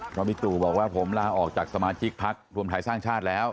พระมิตุบอกว่าผมลาออกจากสมาชิกพลักษณ์รวมถ่ายสร้างชาติแล้ว